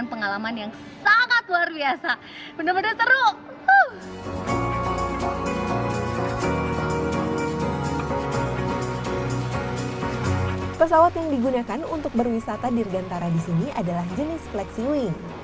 pesawat yang digunakan untuk berwisata dirgantara di sini adalah jenis fleksi wing